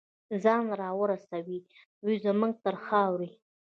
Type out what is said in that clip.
ځان راورسوي دی زمونږ تر خاورې